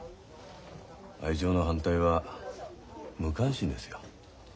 愛情の反対は無関心ですよ。